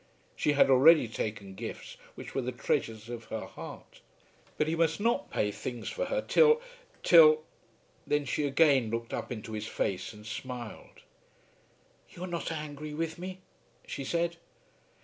She had already taken gifts which were the treasures of her heart. But he must not pay things for her till, till . Then she again looked up into his face and smiled. "You are not angry with me?" she said.